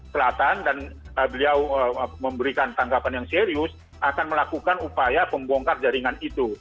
selatan dan beliau memberikan tanggapan yang serius akan melakukan upaya pembongkar jaringan itu